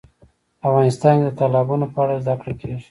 افغانستان کې د تالابونو په اړه زده کړه کېږي.